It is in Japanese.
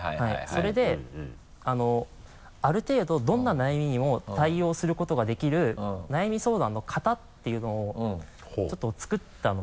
それである程度どんな悩みにも対応することができる悩み相談の型っていうのをちょっとつくったので。